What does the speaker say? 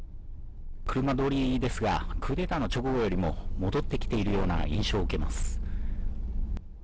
車通りですが、クーデターの直後よりも戻ってきているような印象を受けます。